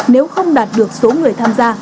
nếu không đạt được số người tham gia